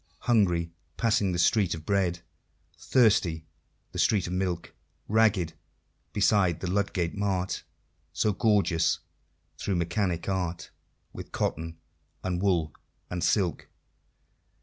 Hungry passing the Street of Bread; Thirsty the street of Milk; Ragged beside the Ludgate Mart, So gorgeous, through Mechanic Art, With cotton, and wool, and silk!